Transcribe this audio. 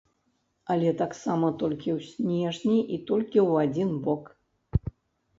Але таксама толькі ў снежні і толькі ў адзін бок.